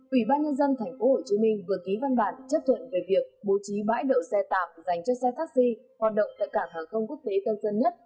ủy ban nhân dân tp hcm vừa ký văn bản chấp thuận về việc bố trí bãi đậu xe tạm dành cho xe taxi hoạt động tại cảng hàng không quốc tế tân sơn nhất